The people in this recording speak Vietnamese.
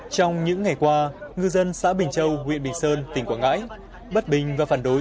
trong những ngày qua ngư dân xã bình châu huyện bình sơn tỉnh quảng ngãi bất bình và phản đối